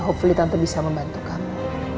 hopefully tante bisa membantu kamu